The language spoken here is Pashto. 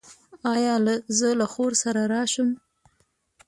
ایا زه له خور سره راشم؟